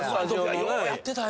ようやってたよ。